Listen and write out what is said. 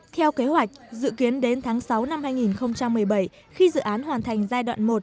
theo kế hoạch dự kiến đến tháng sáu năm hai nghìn một mươi bảy khi dự án hoàn thành giai đoạn một